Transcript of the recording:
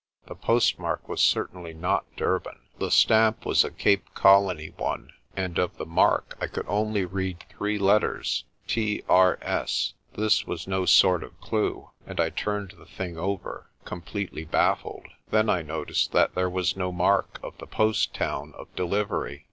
The postmark was certainly not Durban. The stamp was a Cape Colony one, and of the mark I could only read three letters, T.R.S. This was no sort of clue, and I turned the thing over, completely bafBed. Then I noticed that there was no mark of the post town of delivery.